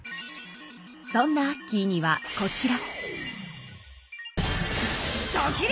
そんなアッキーにはこちら。